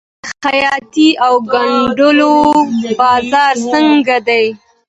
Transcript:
د خیاطۍ او ګنډلو بازار څنګه دی؟